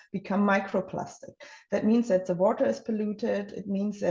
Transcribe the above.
masalahnya adalah bahwa tekstil ini sebenarnya dibuat dari plastik